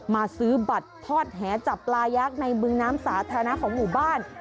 ซื้อบัตรทอดแหจับปลายักษ์ในบึงน้ำสาธารณะของหมู่บ้าน